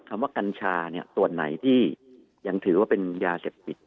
คำว่ากัญชาส่วนไหนที่ยังถือว่าเป็นยาเสพติด